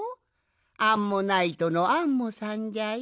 アンモナイトのアンモさんじゃよ。